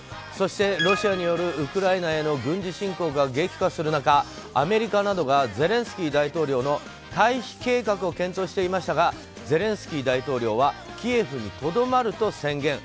そして、ロシアによるウクライナへの軍事侵攻が激化する中アメリカなどがゼレンスキー大統領の退避計画を検討していましたがゼレンスキー大統領はキエフにとどまると宣言。